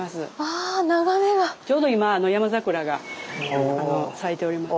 ちょうど今ヤマザクラが咲いております。